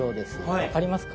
分かりますか？